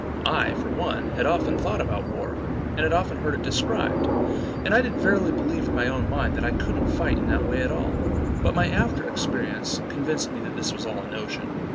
I, for one, had often thought about war, and had often heard it described; and I did verily believe in my own mind, that I couldn't fight in that way at all; but my after experience convinced me that this was all a notion.